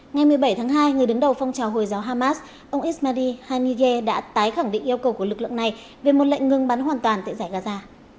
ngày một mươi bảy tháng hai người đứng đầu phong trào hồi giáo hamas ông ismadi haniye đã tái khẳng định yêu cầu của lực lượng này về một lệnh ngừng bắn hoàn toàn tại giải gaza